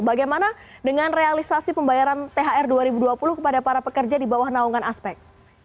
bagaimana dengan realisasi pembayaran thr dua ribu dua puluh kepada para pekerja di bawah naungan aspek